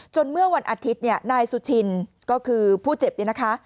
จนเมื่อวันอาทิตย์นายสุชินก็คือผู้เจ็บนี้นะคะ